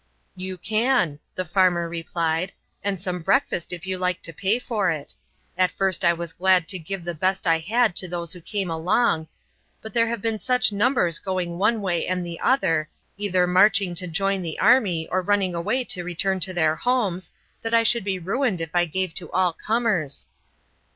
"You can," the farmer replied, "and some breakfast if you like to pay for it. At first I was glad to give the best I had to those who came along, but there have been such numbers going one way and the other, either marching to join the army or running away to return to their homes, that I should be ruined if I gave to all comers."